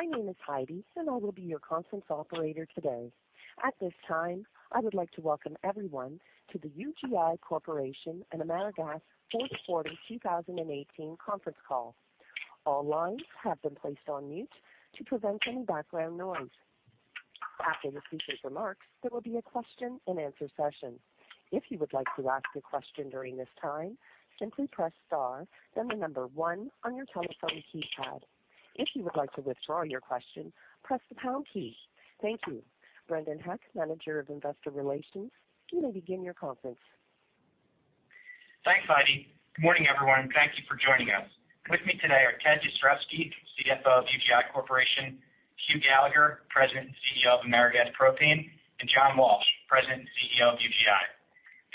Good morning. My name is Heidi, and I will be your conference operator today. At this time, I would like to welcome everyone to the UGI Corporation and AmeriGas fourth quarter 2018 conference call. All lines have been placed on mute to prevent any background noise. After the speakers' remarks, there will be a question and answer session. If you would like to ask a question during this time, simply press star then the number one on your telephone keypad. If you would like to withdraw your question, press the pound key. Thank you. Brendan Heck, Manager of Investor Relations, you may begin your conference. Thanks, Heidi. Good morning, everyone. Thank you for joining us. With me today are Ted Jastrzebski, CFO of UGI Corporation, Hugh Gallagher, President and CEO of AmeriGas Propane, and John Walsh, President and CEO of UGI.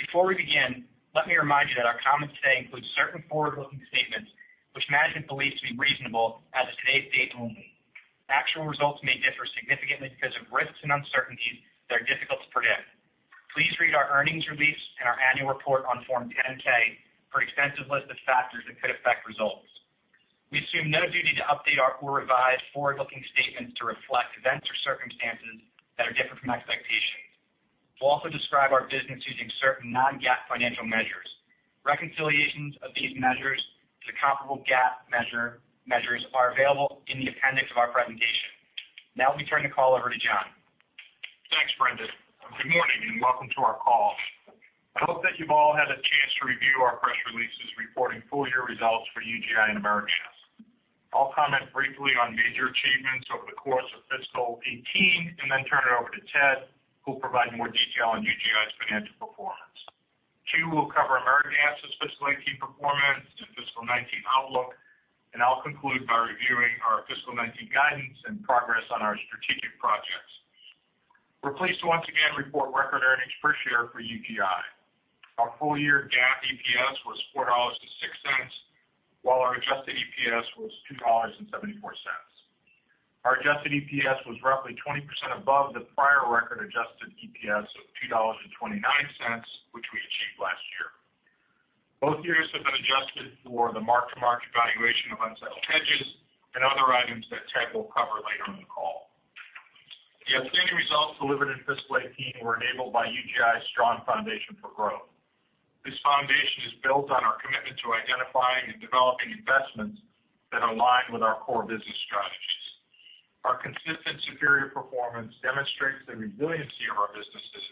Before we begin, let me remind you that our comments today include certain forward-looking statements which management believes to be reasonable as of today's date only. Actual results may differ significantly because of risks and uncertainties that are difficult to predict. Please read our earnings release and our annual report on form 10-K for extensive list of factors that could affect results. We assume no duty to update or revise forward-looking statements to reflect events or circumstances that are different from expectations. We will also describe our business using certain non-GAAP financial measures. Reconciliations of these measures to comparable GAAP measures are available in the appendix of our presentation. Let me turn the call over to John. Thanks, Brendan. Good morning and welcome to our call. I hope that you have all had a chance to review our press releases reporting full year results for UGI and AmeriGas. I will comment briefly on major achievements over the course of fiscal 2018, then turn it over to Ted, who will provide more detail on UGI's financial performance. Hugh will cover AmeriGas's fiscal 2018 performance and fiscal 2019 outlook, I will conclude by reviewing our fiscal 2019 guidance and progress on our strategic projects. We are pleased to once again report record earnings per share for UGI. Our full year GAAP EPS was $4.06, while our adjusted EPS was $2.74. Our adjusted EPS was roughly 20% above the prior record adjusted EPS of $2.29, which we achieved last year. Both years have been adjusted for the mark-to-market valuation of unsettled hedges and other items that Ted will cover later in the call. The outstanding results delivered in fiscal 2018 were enabled by UGI's strong foundation for growth. This foundation is built on our commitment to identifying and developing investments that align with our core business strategies. Our consistent superior performance demonstrates the resiliency of our businesses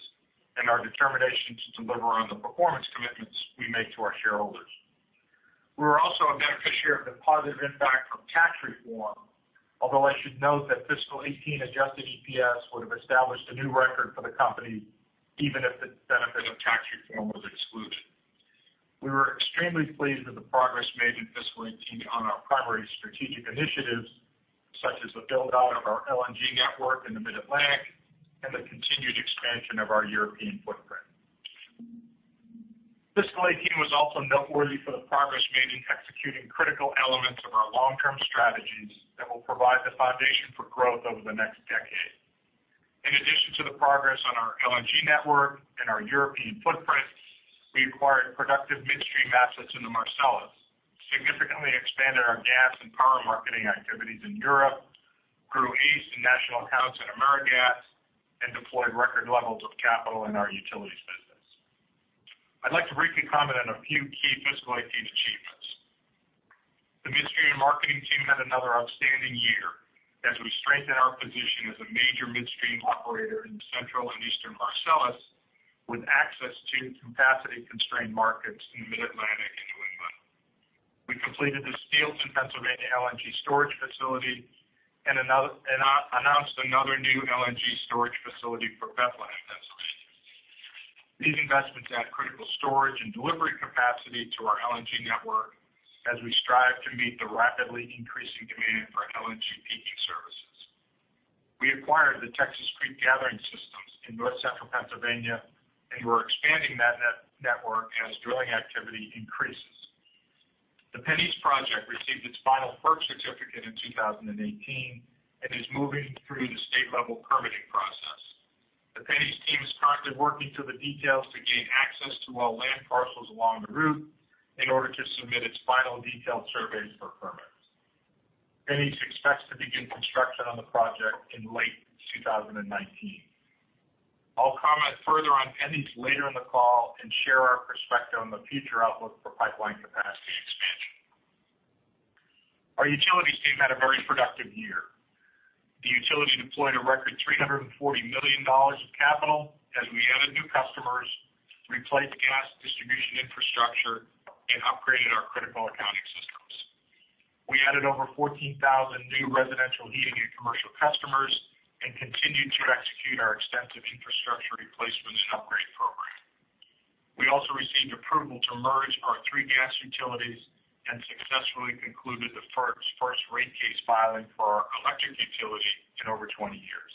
and our determination to deliver on the performance commitments we make to our shareholders. We were also a beneficiary of the positive impact from tax reform. Although I should note that fiscal 2018 adjusted EPS would have established a new record for the company even if the benefit of tax reform was excluded. We were extremely pleased with the progress made in fiscal 2018 on our primary strategic initiatives, such as the build-out of our LNG network in the Mid-Atlantic and the continued expansion of our European footprint. Fiscal 2018 was also noteworthy for the progress made in executing critical elements of our long-term strategies that will provide the foundation for growth over the next decade. In addition to the progress on our LNG network and our European footprint, we acquired productive midstream assets in the Marcellus, significantly expanded our gas and power marketing activities in Europe, grew ACE and National Accounts and AmeriGas, and deployed record levels of capital in our utilities business. I'd like to briefly comment on a few key fiscal 2018 achievements. The Midstream & Marketing team had another outstanding year as we strengthen our position as a major midstream operator in the Central and Eastern Marcellus with access to capacity-constrained markets in the Mid-Atlantic and New England. We completed the Steelton, Pennsylvania LNG storage facility and announced another new LNG storage facility for Bethlehem, Pennsylvania. These investments add critical storage and delivery capacity to our LNG network as we strive to meet the rapidly increasing demand for LNG peaking services. We acquired the Texas Creek Gathering System in North Central Pennsylvania, and we're expanding that network as drilling activity increases. The PennEast project received its final FERC certificate in 2018 and is moving through the state-level permitting process. The PennEast team is currently working through the details to gain access to all land parcels along the route in order to submit its final detailed surveys for permits. PennEast expects to begin construction on the project in late 2019. I'll comment further on PennEast later in the call and share our perspective on the future outlook for pipeline capacity expansion. Our utilities team had a very productive year. The utility deployed a record $340 million of capital as we added new customers, replaced gas distribution infrastructure, and upgraded our critical accounting systems. We added over 14,000 new residential heating and commercial customers and continued to execute our extensive infrastructure replacement and upgrade program. We also received approval to merge our three gas utilities and successfully concluded the FERC's first rate case filing for our electric utility in over 20 years.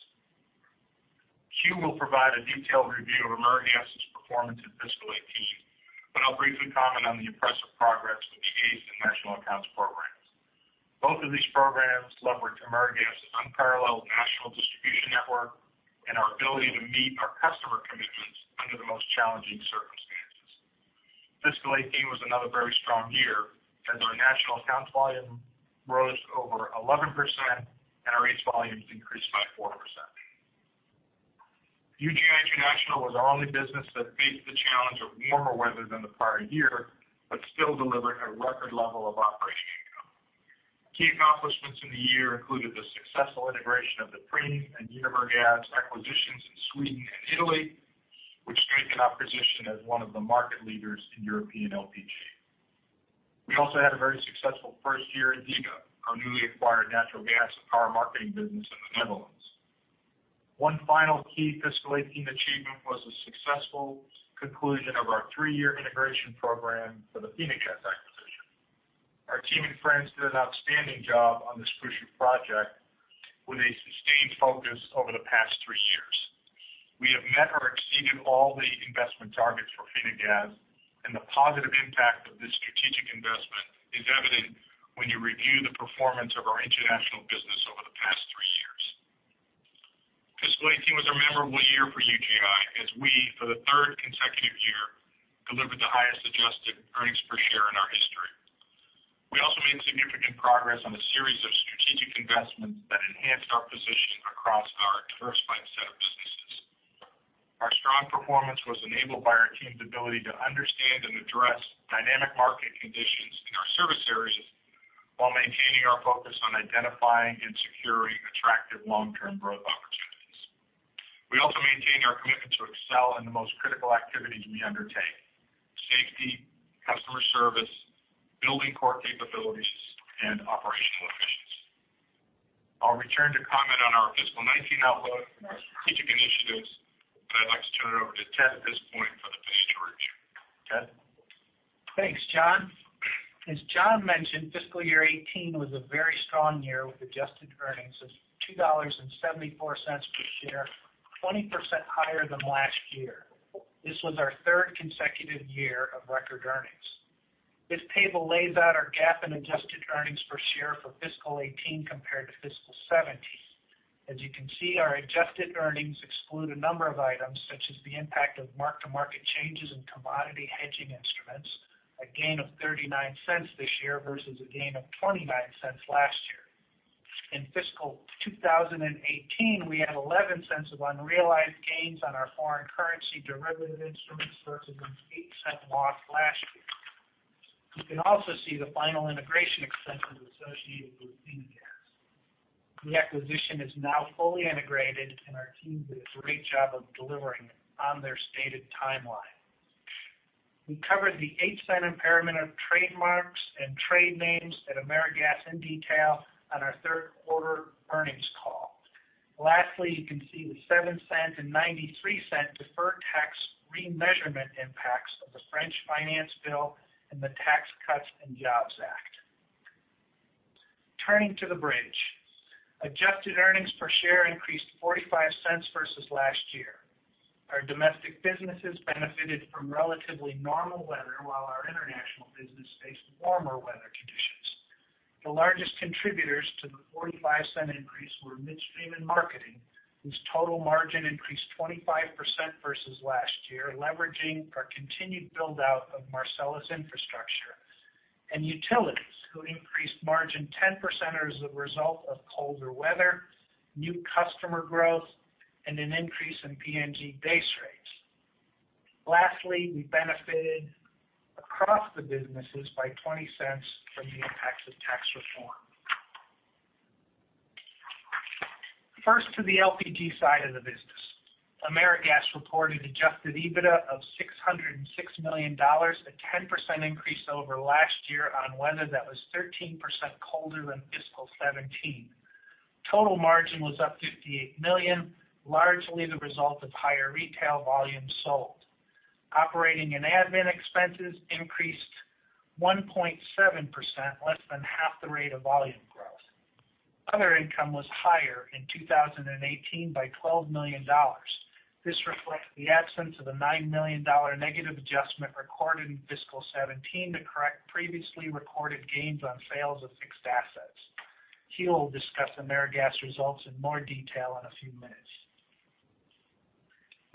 Hugh will provide a detailed review of AmeriGas's performance in fiscal 2018, but I'll briefly comment on the impressive progress with the ACE and National Accounts programs. Both of these programs leverage AmeriGas's unparalleled national distribution network and our ability to meet our customer commitments under the most challenging circumstances. Fiscal 2018 was another very strong year as our National Accounts volume rose over 11%, and our ACE volumes increased by 4%. UGI International was our only business that faced the challenge of warmer weather than the prior year, but still delivered a record level of operating income. Key accomplishments in the year included the successful integration of the Preem and UniverGas acquisitions in Sweden and Italy, which strengthened our position as one of the market leaders in European LPG. We also had a very successful first year at VEGA, our newly acquired natural gas and power marketing business in the Netherlands. One final key fiscal 2018 achievement was the successful conclusion of our three-year integration program for the Finagaz acquisition. Our team in France did an outstanding job on this crucial project with a sustained focus over the past 3 years. We have met or exceeded all the investment targets for Finagaz, and the positive impact of this strategic investment is evident when you review the performance of our international business over the past three years. Fiscal 2018 was a memorable year for UGI as we, for the third consecutive year, delivered the highest adjusted earnings per share in our history. We also made significant progress on a series of strategic investments that enhanced our position across our diversified set of businesses. Our strong performance was enabled by our team's ability to understand and address dynamic market conditions in our service areas while maintaining our focus on identifying and securing attractive long-term growth opportunities. We also maintain our commitment to excel in the most critical activities we undertake, safety, customer service, building core capabilities, and operational efficiency. I'll return to comment on our fiscal 2019 outlook and our strategic initiatives. I'd like to turn it over to Ted at this point for the bridge review. Ted? Thanks, John. As John mentioned, fiscal year 2018 was a very strong year with adjusted earnings of $2.74 per share, 20% higher than last year. This was our third consecutive year of record earnings. This table lays out our GAAP and adjusted earnings per share for fiscal 2018 compared to fiscal 2017. As you can see, our adjusted earnings exclude a number of items, such as the impact of mark-to-market changes in commodity hedging instruments, a gain of $0.39 this year versus a gain of $0.29 last year. In fiscal 2018, we had $0.11 of unrealized gains on our foreign currency derivative instruments versus an $0.08 loss last year. You can also see the final integration expenses associated with Finagaz. The acquisition is now fully integrated, and our team did a great job of delivering on their stated timeline. We covered the $0.08 impairment of trademarks and trade names at AmeriGas in detail on our third-quarter earnings call. Lastly, you can see the $0.07 and $0.93 deferred tax remeasurement impacts of the French Finance Bill and the Tax Cuts and Jobs Act. Turning to the bridge. Adjusted earnings per share increased $0.45 versus last year. Our domestic businesses benefited from relatively normal weather, while our international business faced warmer weather conditions. The largest contributors to the $0.45 increase were Midstream & Marketing, whose total margin increased 25% versus last year, leveraging our continued build-out of Marcellus infrastructure, and Utilities, who increased margin 10% as a result of colder weather, new customer growth, and an increase in PNG base rates. Lastly, we benefited across the businesses by $0.20 from the impacts of tax reform. 1st to the LPG side of the business. AmeriGas reported adjusted EBITDA of $606 million, a 10% increase over last year on weather that was 13% colder than FY 2017. Total margin was up $58 million, largely the result of higher retail volumes sold. Operating and admin expenses increased 1.7%, less than half the rate of volume growth. Other income was higher in 2018 by $12 million. This reflects the absence of a $9 million negative adjustment recorded in FY 2017 to correct previously recorded gains on sales of fixed assets. Hugh will discuss AmeriGas results in more detail in a few minutes.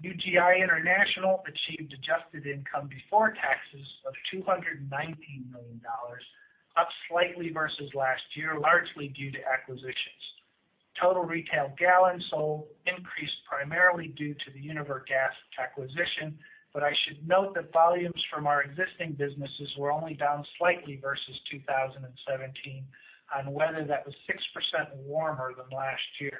UGI International achieved adjusted income before taxes of $219 million, up slightly versus last year, largely due to acquisitions. Total retail gallons sold increased primarily due to the UniverGas acquisition. I should note that volumes from our existing businesses were only down slightly versus 2017 on weather that was 6% warmer than last year.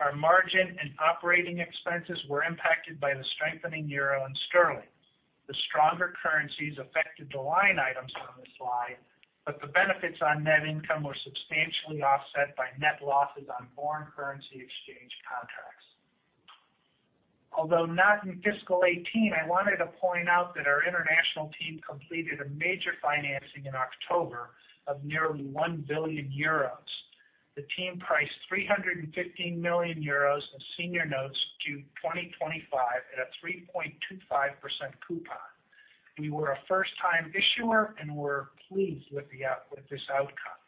Our margin and operating expenses were impacted by the strengthening EUR and sterling. The stronger currencies affected the line items on this slide, but the benefits on net income were substantially offset by net losses on foreign currency exchange contracts. Although not in FY 2018, I wanted to point out that our international team completed a major financing in October of nearly 1 billion euros. The team priced 315 million euros of senior notes due 2025 at a 3.25% coupon. We were a first-time issuer and were pleased with this outcome.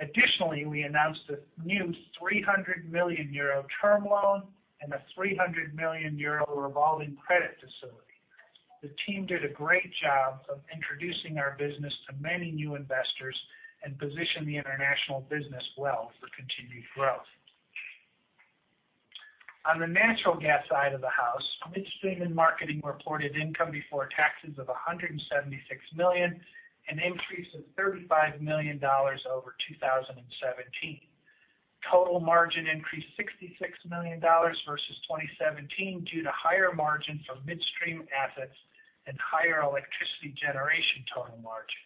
Additionally, we announced a new 300 million euro term loan and a 300 million euro revolving credit facility. The team did a great job of introducing our business to many new investors and positioned the international business well for continued growth. On the natural gas side of the house, Midstream & Marketing reported income before taxes of $176 million, an increase of $35 million over 2017. Total margin increased $66 million versus 2017 due to higher margin from midstream assets and higher electricity generation total margin.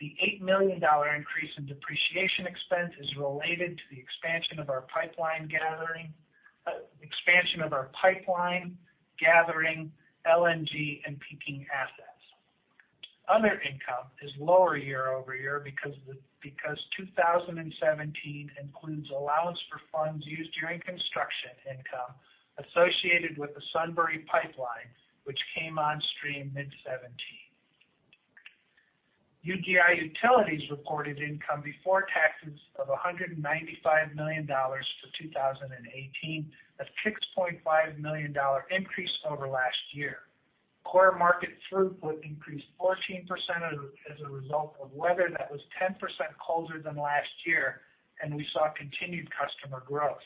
The $8 million increase in depreciation expense is related to the expansion of our pipeline gathering, LNG, and peaking assets. Other income is lower year-over-year because 2017 includes allowance for funds used during construction income associated with the Sunbury pipeline, which came on stream mid 2017. UGI Utilities reported income before taxes of $195 million for 2018, a $6.5 million increase over last year. Core market throughput increased 14% as a result of weather that was 10% colder than last year, and we saw continued customer growth.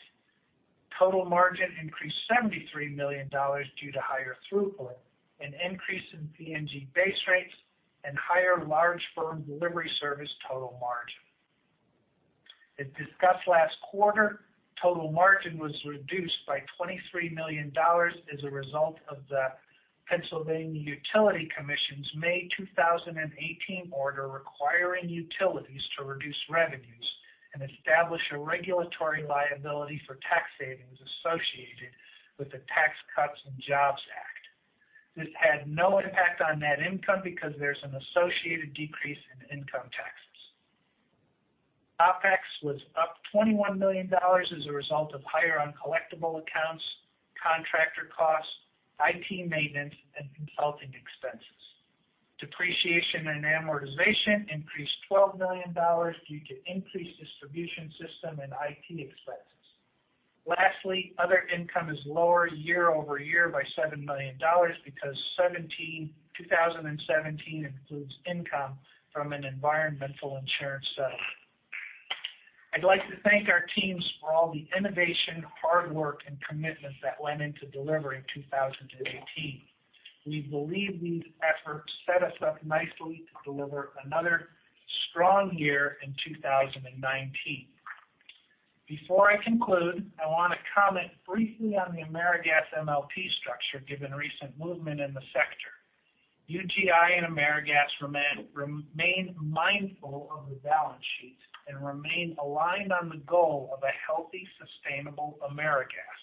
Total margin increased $73 million due to higher throughput, an increase in PNG base rates, and higher large firm delivery service total margin. As discussed last quarter, total margin was reduced by $23 million as a result of the Pennsylvania Public Utility Commission's May 2018 order requiring utilities to reduce revenues and establish a regulatory liability for tax savings associated with the Tax Cuts and Jobs Act. This had no impact on net income because there's an associated decrease in income taxes. OpEx was up $21 million as a result of higher uncollectible accounts, contractor costs, IT maintenance, and consulting expenses. Depreciation and amortization increased $12 million due to increased distribution system and IT expenses. Lastly, other income is lower year-over-year by $7 million because 2017 includes income from an environmental insurance settlement. I'd like to thank our teams for all the innovation, hard work, and commitment that went into delivering 2018. We believe these efforts set us up nicely to deliver another strong year in 2019. Before I conclude, I want to comment briefly on the AmeriGas MLP structure given recent movement in the sector. UGI and AmeriGas remain mindful of the balance sheets and remain aligned on the goal of a healthy, sustainable AmeriGas.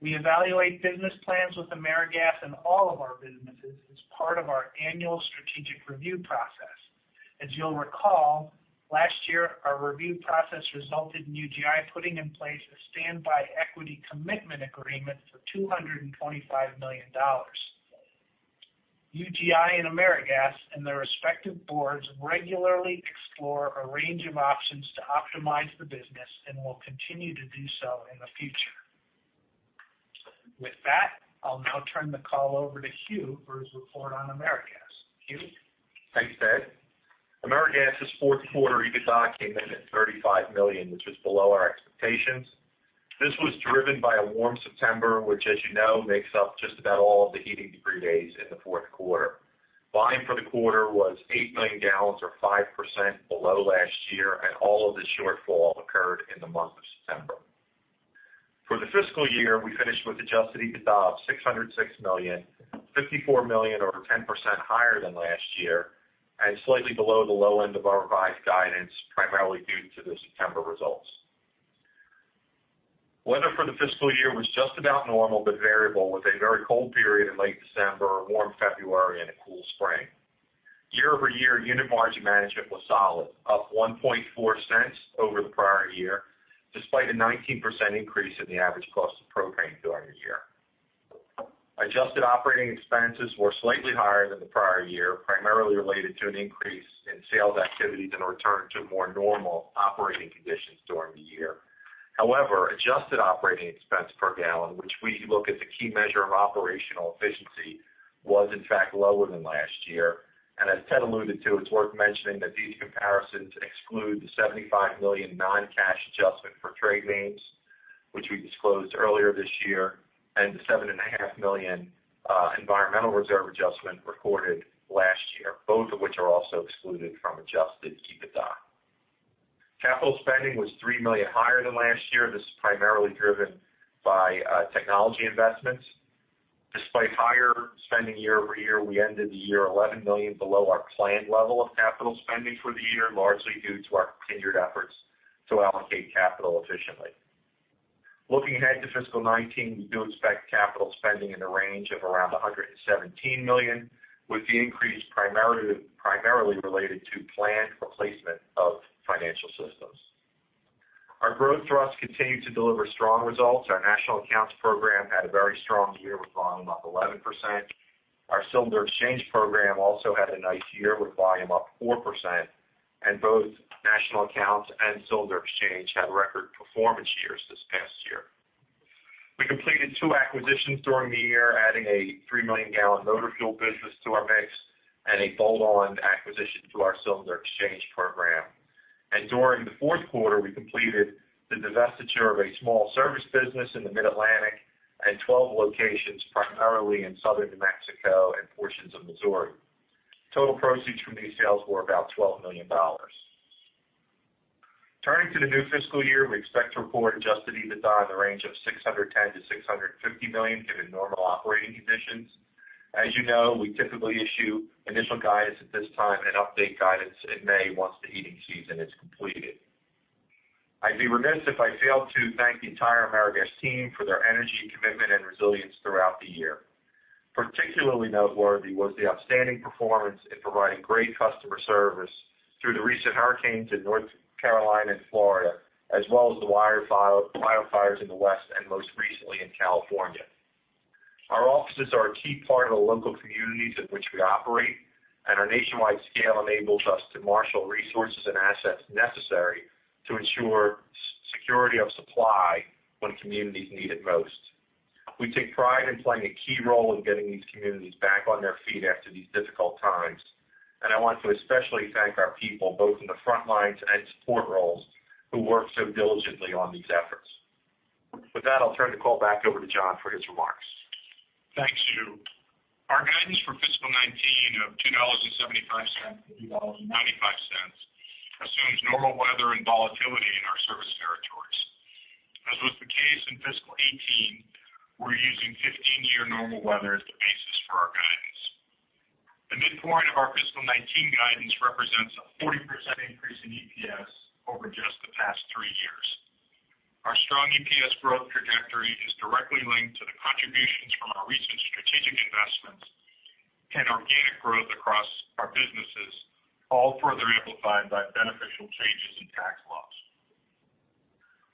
We evaluate business plans with AmeriGas and all of our businesses as part of our annual strategic review process. As you'll recall, last year, our review process resulted in UGI putting in place a standby equity commitment agreement for $225 million. UGI and AmeriGas and their respective boards regularly explore a range of options to optimize the business and will continue to do so in the future. With that, I'll now turn the call over to Hugh for his report on AmeriGas. Hugh? Thanks, Ted. AmeriGas's fourth quarter EBITDA came in at $35 million, which was below our expectations. This was driven by a warm September, which, as you know, makes up just about all of the heating degree days in the fourth quarter. Volume for the quarter was 8 million gallons, or 5% below last year, and all of this shortfall occurred in the month of September. For the fiscal year, we finished with adjusted EBITDA of $606 million, $54 million or 10% higher than last year, and slightly below the low end of our revised guidance, primarily due to the September results. Weather for the fiscal year was just about normal but variable, with a very cold period in late December, a warm February, and a cool spring. Year-over-year, unit margin management was solid, up $0.014 over the prior year, despite a 19% increase in the average cost of propane during the year. Adjusted operating expenses were slightly higher than the prior year, primarily related to an increase in sales activities and a return to more normal operating conditions during the year. However, adjusted operating expense per gallon, which we look at the key measure of operational efficiency, was in fact lower than last year. As Ted alluded to, it's worth mentioning that these comparisons exclude the $75 million non-cash adjustment for trade names, which we disclosed earlier this year, and the $7.5 million environmental reserve adjustment recorded last year, both of which are also excluded from adjusted EBITDA. Capital spending was $3 million higher than last year. This is primarily driven by technology investments. Despite higher spending year-over-year, we ended the year $11 million below our planned level of capital spending for the year, largely due to our continued efforts to allocate capital efficiently. Looking ahead to FY 2019, we do expect capital spending in the range of around $117 million, with the increase primarily related to planned replacement of financial systems. Our growth thrust continued to deliver strong results. Our National Accounts program had a very strong year with volume up 11%. Our cylinder exchange program also had a nice year with volume up 4%, and both National Accounts and cylinder exchange had record performance years this past year. We completed two acquisitions during the year, adding a 3 million gallon motor fuel business to our mix and a bolt-on acquisition to our cylinder exchange program. During the fourth quarter, we completed the divestiture of a small service business in the Mid-Atlantic and 12 locations, primarily in southern New Mexico and portions of Missouri. Total proceeds from these sales were about $12 million. Turning to the new fiscal year, we expect to report adjusted EBITDA in the range of $610 million-$650 million given normal operating conditions. As you know, we typically issue initial guidance at this time and update guidance in May once the heating season is completed. I'd be remiss if I failed to thank the entire AmeriGas team for their energy, commitment, and resilience throughout the year. Particularly noteworthy was the outstanding performance in providing great customer service through the recent hurricanes in North Carolina and Florida, as well as the wildfires in the West, and most recently in California. Our offices are a key part of the local communities in which we operate. Our nationwide scale enables us to marshal resources and assets necessary to ensure security of supply when communities need it most. We take pride in playing a key role in getting these communities back on their feet after these difficult times. I want to especially thank our people, both in the front lines and support roles, who work so diligently on these efforts. With that, I'll turn the call back over to John for his remarks. Thank you. Our guidance for fiscal 2019 of $2.75-$2.95 assumes normal weather and volatility in our service territories. As was the case in fiscal 2018, we're using 15-year normal weather as the basis for our guidance. The midpoint of our fiscal 2019 guidance represents a 40% increase in EPS over just the past three years. Our strong EPS growth trajectory is directly linked to the contributions from our recent strategic investments and organic growth across our businesses, all further amplified by beneficial changes in tax laws.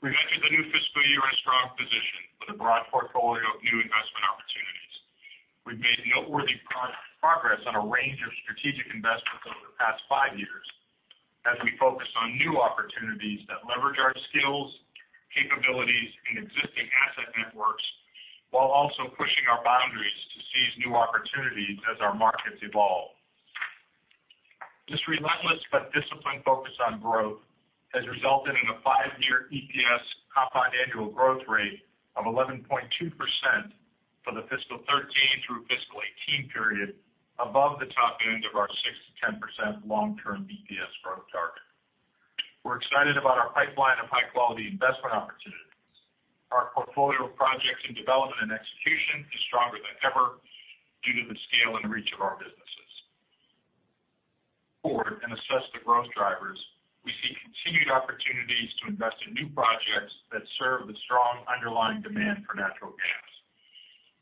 We enter the new fiscal year in a strong position with a broad portfolio of new investment opportunities. We've made noteworthy progress on a range of strategic investments over the past five years as we focus on new opportunities that leverage our skills, capabilities, and existing asset networks, while also pushing our boundaries to seize new opportunities as our markets evolve. This relentless but disciplined focus on growth has resulted in a five-year EPS compound annual growth rate of 11.2% for the fiscal 2013 through fiscal 2018 period above the top end of our 6%-10% long-term EPS growth target. We're excited about our pipeline of high-quality investment opportunities. Our portfolio of projects in development and execution is stronger than ever due to the scale and reach of our businesses. Forward, assess the growth drivers, we see continued opportunities to invest in new projects that serve the strong underlying demand for natural gas.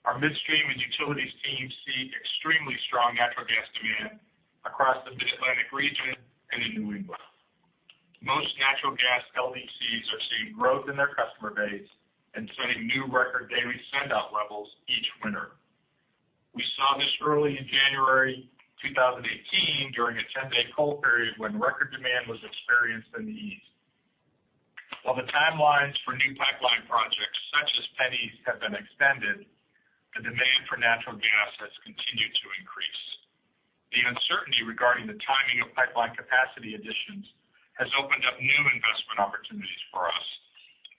Our Midstream & Marketing and Utilities teams see extremely strong natural gas demand across the Mid-Atlantic region and in New England. Most natural gas LDCs are seeing growth in their customer base and setting new record daily send-out levels each winter. We saw this early in January 2018 during a 10-day cold period when record demand was experienced in the east. While the timelines for new pipeline projects such as PennEast have been extended, the demand for natural gas has continued to increase. The uncertainty regarding the timing of pipeline capacity additions has opened up new investment opportunities for us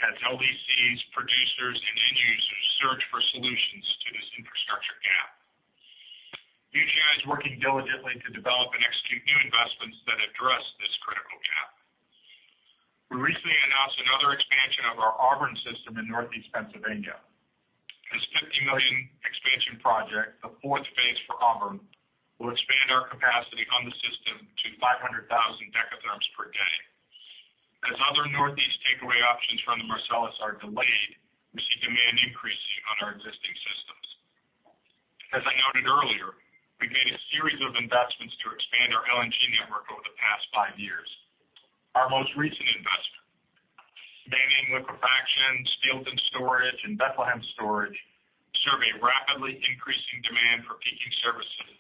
as LDCs, producers, and end users search for solutions to this infrastructure gap. UGI is working diligently to develop and execute new investments that address this critical gap. We recently announced another expansion of our Auburn system in Northeast Pennsylvania. This $50 million expansion project, the fourth phase for Auburn, will expand our capacity on the system to 500,000 dekatherms per day. As other Northeast takeaway options from the Marcellus are delayed, we see demand increasing on our existing systems. As I noted earlier, we've made a series of investments to expand our LNG network over the past five years. Our most recent investment, Dauphin Liquefaction, Steelton Storage, and Bethlehem Storage, serve a rapidly increasing demand for peaking services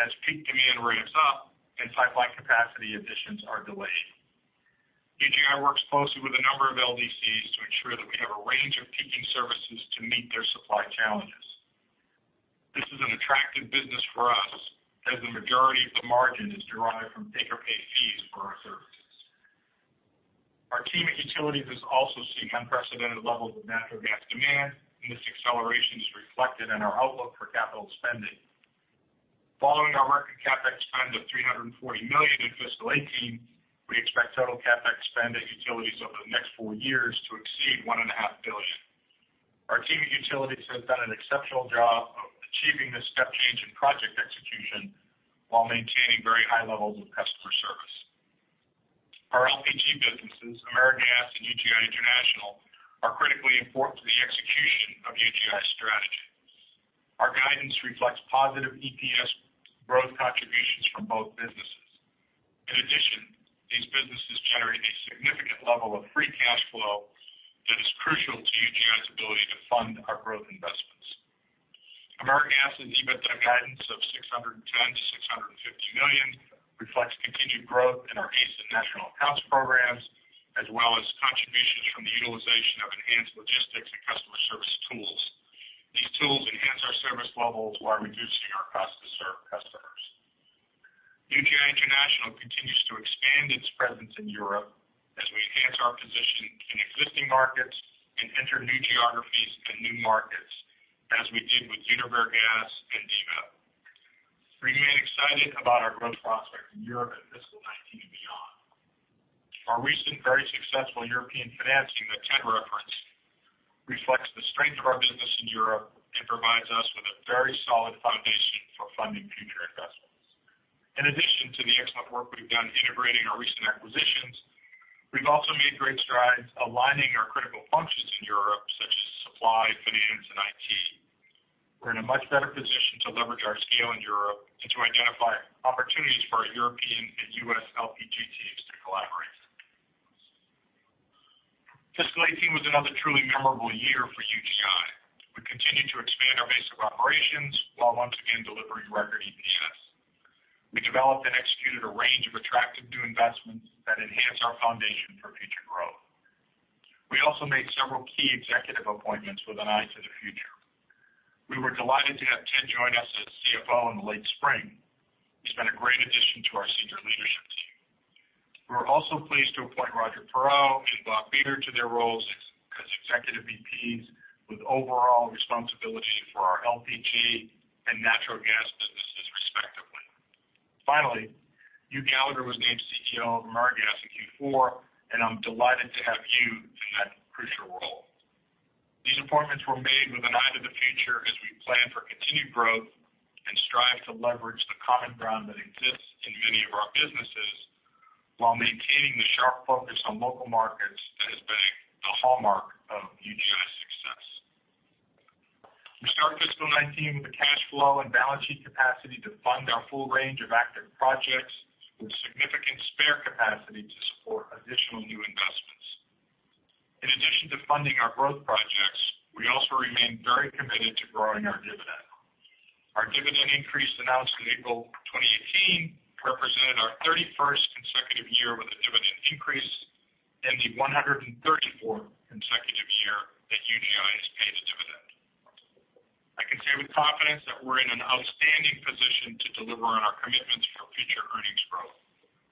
as peak demand ramps up and pipeline capacity additions are delayed. UGI works closely with a number of LDCs to ensure that we have a range of peaking services to meet their supply challenges. This is an attractive business for us, as the majority of the margin is derived from take-or-pay fees for our services. Our team at Utilities is also seeing unprecedented levels of natural gas demand, and this acceleration is reflected in our outlook for capital spending. Following our record CapEx spend of $340 million in fiscal 2018, we expect total CapEx spend at Utilities over the next four years to exceed $1.5 billion. Our team at Utilities has done an exceptional job of achieving this step change in project execution while maintaining very high levels of customer service. Our LPG businesses, AmeriGas and UGI International, are critically important to the execution of UGI's guidance reflects positive EPS growth contributions from both businesses. In addition, these businesses generate a significant level of free cash flow that is crucial to UGI's ability to fund our growth investments. AmeriGas' EBITDA guidance of $610 million-$650 million reflects continued growth in our ACE and National Accounts programs, as well as contributions from the utilization of enhanced logistics and customer service tools. These tools enhance our service levels while reducing our cost to serve customers. UGI International continues to expand its presence in Europe as we enhance our position in existing markets and enter new geographies and new markets, as we did with UniverGas and DVEP. We remain excited about our growth prospects in Europe in fiscal 2019 and beyond. Our recent very successful European financing that Ted referenced reflects the strength of our business in Europe and provides us with a very solid foundation for funding future investments. In addition to the excellent work we've done integrating our recent acquisitions, we've also made great strides aligning our critical functions in Europe, such as supply, finance, and IT. We're in a much better position to leverage our scale in Europe and to identify opportunities for our European and U.S. LPG teams to collaborate. Fiscal 2018 was another truly memorable year for UGI. We continued to expand our base of operations while once again delivering record EPS. We developed and executed a range of attractive new investments that enhance our foundation for future growth. We also made several key executive appointments with an eye to the future. We were delighted to have Ted join us as CFO in the late spring. He's been a great addition to our senior leadership team. We were also pleased to appoint Roger Perreault and Bob Beard to their roles as Executive VPs with overall responsibility for our LPG and natural gas businesses respectively. Finally, Hugh Gallagher was named CEO of AmeriGas in Q4, and I'm delighted to have Hugh in that crucial role. These appointments were made with an eye to the future as we plan for continued growth and strive to leverage the common ground that exists in many of our businesses while maintaining the sharp focus on local markets that has been a hallmark of UGI's success. We start fiscal 2019 with the cash flow and balance sheet capacity to fund our full range of active projects with significant spare capacity to support additional new investments. In addition to funding our growth projects, we also remain very committed to growing our dividend. Our dividend increase announced in April 2018 represented our 31st consecutive year with a dividend increase and the 134th consecutive year that UGI has paid a dividend. I can say with confidence that we're in an outstanding position to deliver on our commitments for future earnings growth.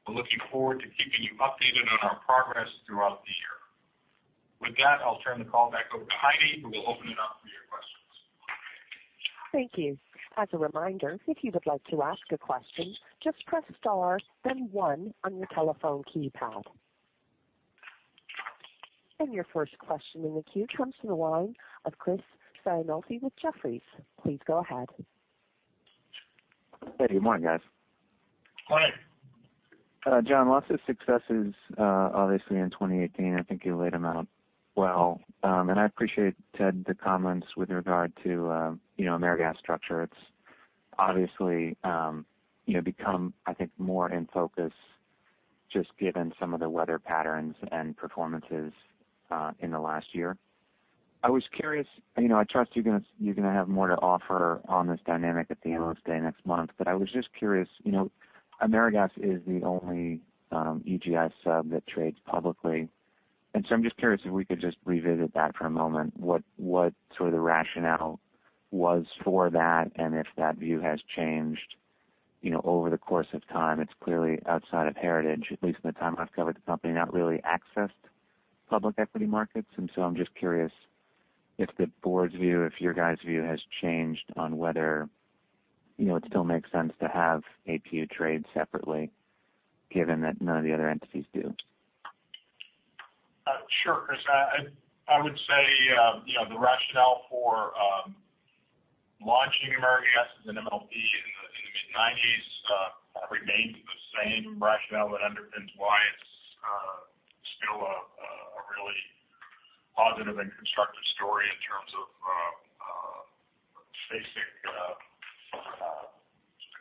We're looking forward to keeping you updated on our progress throughout the year. With that, I'll turn the call back over to Heidi, who will open it up for your questions. Thank you. As a reminder, if you would like to ask a question, just press star, then one on your telephone keypad. Your 1st question in the queue comes from the line of Chris Sighinolfi with Jefferies. Please go ahead. Good morning, guys. Morning. John, lots of successes, obviously, in 2018. I think you laid them out well. I appreciate, Ted, the comments with regard to AmeriGas structure. It's obviously become, I think, more in focus just given some of the weather patterns and performances in the last year. I was curious. I trust you're going to have more to offer on this dynamic at the Analyst Day next month. I was just curious, AmeriGas is the only UGI sub that trades publicly. I'm just curious if we could just revisit that for a moment. What sort of the rationale was for that, and if that view has changed over the course of time? It's clearly outside of Heritage, at least in the time I've covered the company, not really accessed public equity markets. I'm just curious if the board's view, if your guys' view has changed on whether it still makes sense to have APU trade separately given that none of the other entities do. Sure, Chris. I would say the rationale for launching AmeriGas as an MLP in the mid-1990s remains the same rationale that underpins why it's still a really positive and constructive story in terms of the basic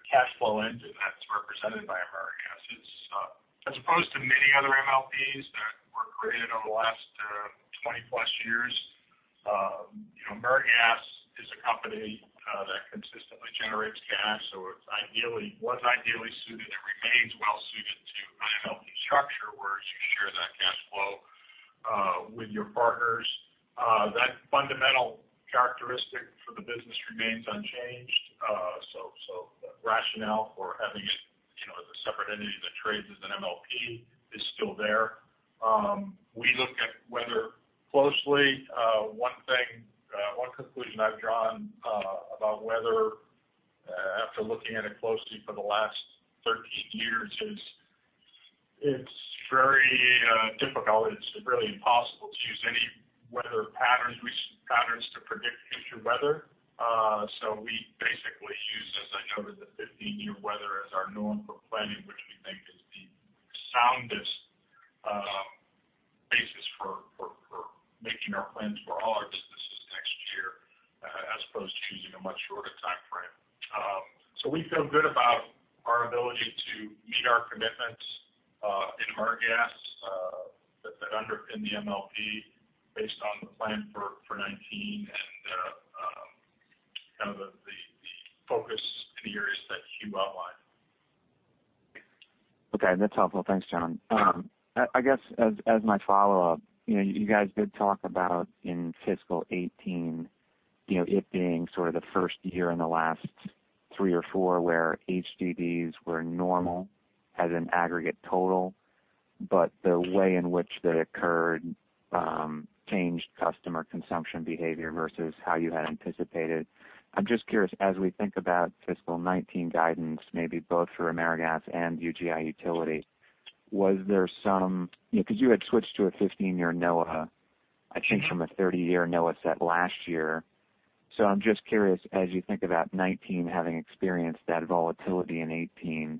cash flow engine that's represented by AmeriGas. As opposed to many other MLPs that were created over the last 20+ years, AmeriGas is a company that consistently generates cash. It was ideally suited and remains well-suited to an MLP structure, whereas you share that cash flow with your partners. That fundamental characteristic for the business remains unchanged. The rationale for having it as a separate entity that trades as an MLP is still there. We look at weather closely. One conclusion I've drawn about weather, after looking at it closely for the last 13 years, is it's very difficult. It's really impossible to use any weather patterns, recent patterns to predict future weather. We basically use, as I noted, the 15-year weather as our norm for planning, which we think is the soundest Making our plans for all our businesses next year, as opposed to choosing a much shorter timeframe. We feel good about our ability to meet our commitments in AmeriGas that underpin the MLP based on the plan for 2019 and the focus in the areas that Hugh outlined. Okay, that's helpful. Thanks, John. I guess as my follow-up, you guys did talk about in fiscal 2018, it being sort of the first year in the last three or four where HDDs were normal as an aggregate total, but the way in which they occurred changed customer consumption behavior versus how you had anticipated. I'm just curious, as we think about fiscal 2019 guidance, maybe both for AmeriGas and UGI Utilities, was there some Because you had switched to a 15-year NOAA I think from a 30-year NOAA set last year. I'm just curious, as you think about 2019 having experienced that volatility in 2018,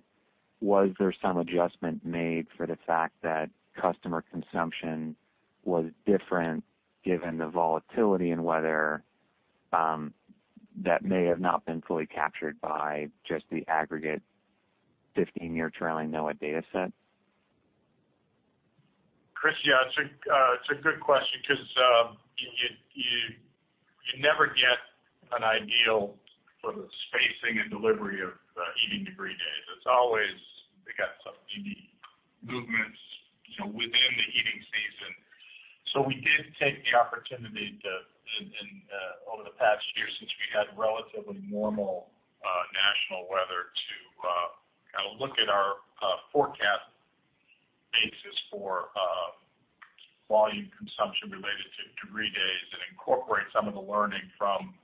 was there some adjustment made for the fact that customer consumption was different given the volatility in weather that may have not been fully captured by just the aggregate 15-year trailing NOAA data set? Chris, yeah, it's a good question because you never get an ideal sort of spacing and delivery of heating degree days. It's always got some DD movements within the heating season. We did take the opportunity to, over the past year, since we had relatively normal national weather, to look at our forecast basis for volume consumption related to degree days and incorporate some of the learning from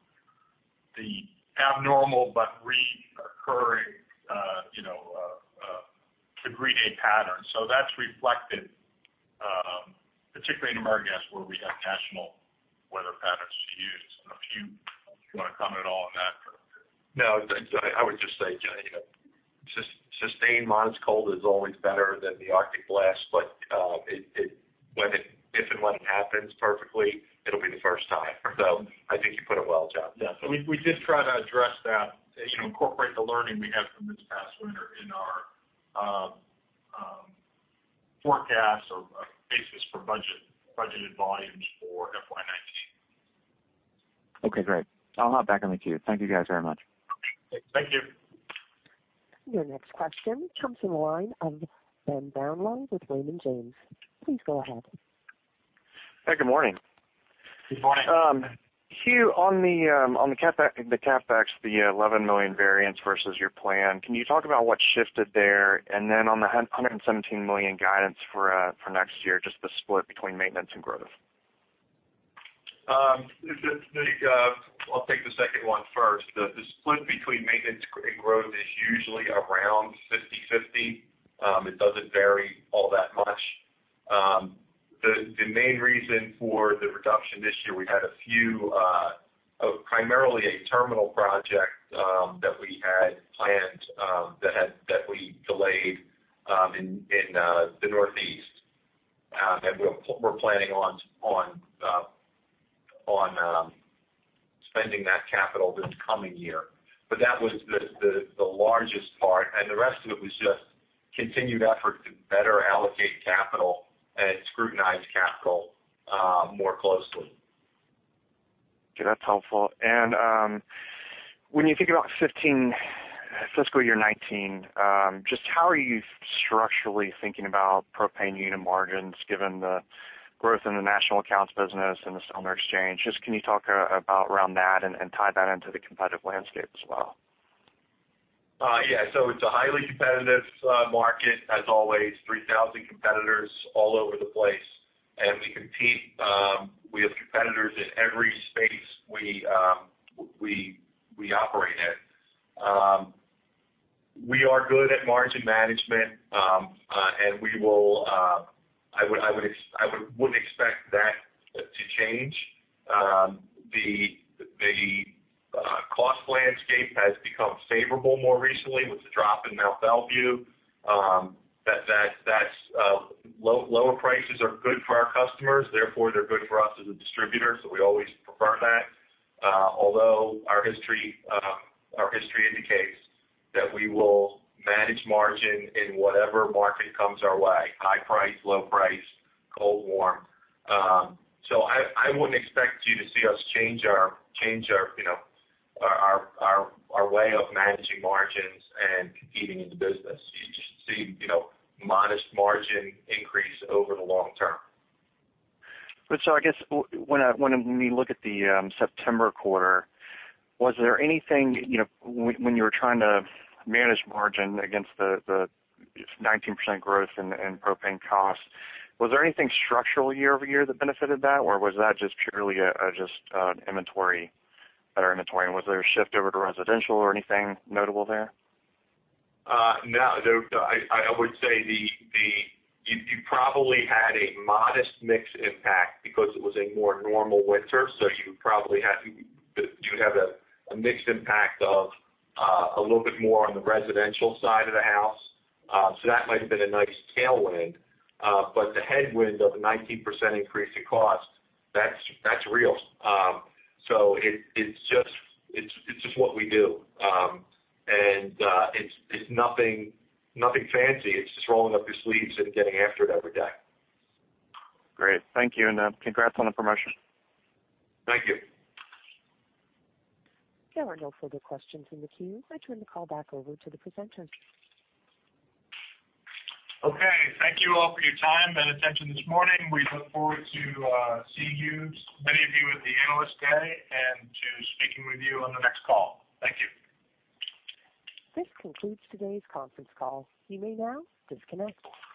the abnormal but reoccurring degree day pattern. That's reflected particularly in AmeriGas, where we have national weather patterns to use. I don't know if you want to comment at all on that, or. No. I would just say, sustained modest cold is always better than the Arctic blast, but if and when it happens perfectly, it'll be the first time. I think you put it well, John. Yeah. We did try to address that to incorporate the learning we had from this past winter in our forecast or basis for budgeted volumes for FY 2019. Okay, great. I'll hop back on the queue. Thank you guys very much. Thank you. Your next question comes from the line of Ben Brownlow with Raymond James. Please go ahead. Hey, good morning. Good morning. Hugh, on the CapEx, the $11 million variance versus your plan, can you talk about what shifted there? On the $117 million guidance for next year, just the split between maintenance and growth. I'll take the 2nd one first. The split between maintenance and growth is usually around 50/50. It doesn't vary all that much. The main reason for the reduction this year, we had primarily a terminal project that we had planned that we delayed in the Northeast. We're planning on spending that capital this coming year. That was the largest part, and the rest of it was just continued effort to better allocate capital and scrutinize capital more closely. Okay, that's helpful. When you think about FY 2019, just how are you structurally thinking about propane unit margins given the growth in the National Accounts business and the cylinder exchange? Just can you talk around that and tie that into the competitive landscape as well? Yeah. It's a highly competitive market as always, 3,000 competitors all over the place. We have competitors in every space we operate in. We are good at margin management, and I wouldn't expect that to change. The cost landscape has become favorable more recently with the drop in Mont Belvieu. Lower prices are good for our customers, therefore they're good for us as a distributor, so we always prefer that. Although our history indicates that we will manage margin in whatever market comes our way, high price, low price, cold, warm. I wouldn't expect you to see us change our way of managing margins and competing in the business. You should see modest margin increase over the long term. When we look at the September quarter, was there anything when you were trying to manage margin against the 19% growth in propane cost, was there anything structural year-over-year that benefited that? Or was that just purely an inventory? Was there a shift over to residential or anything notable there? No. I would say you probably had a modest mix impact because it was a more normal winter, you'd have a mixed impact of a little bit more on the residential side of the house. That might have been a nice tailwind. The headwind of a 19% increase in cost, that's real. It's just what we do. It's nothing fancy. It's just rolling up your sleeves and getting after it every day. Great. Thank you, and congrats on the promotion. Thank you. There are no further questions in the queue. I turn the call back over to the presenters. Okay. Thank you all for your time and attention this morning. We look forward to seeing many of you at the Analyst Day and to speaking with you on the next call. Thank you. This concludes today's conference call. You may now disconnect.